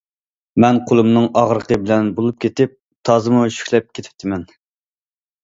مەن قولۇمنىڭ ئاغرىقى بىلەن بولۇپ كېتىپ تازىمۇ شۈكلەپ كېتىپتىمەن.